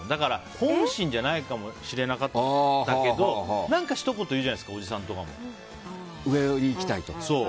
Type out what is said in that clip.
本心じゃないかもしれなかったけど何かひと言言うじゃないですか上を行きたい。